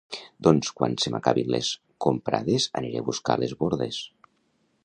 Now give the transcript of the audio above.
Doncs quan se m'acabin les comprades aniré a buscar les bordes